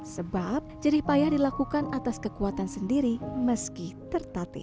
sebab jerih payah dilakukan atas kekuatan sendiri meski tertatih